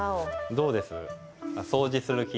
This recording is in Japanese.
どうです？